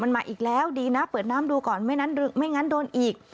มันมาอีกแล้วดีนะเปิดน้ำดูก่อนไม่งั้นไม่งั้นโดนอีก